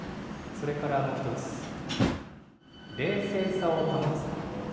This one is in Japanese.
それからもう１つ、冷静さを保つこと。